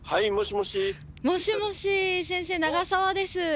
もしもし先生長沢です。